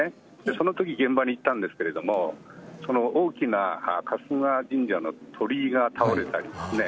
そのとき現場に行ったんですけれども大きな春日神社の鳥居が倒れたりですね